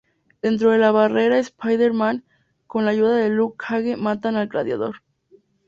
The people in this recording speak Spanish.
Dentro de la barrera Spider-Man con la ayuda de Luke Cage matan al Gladiador.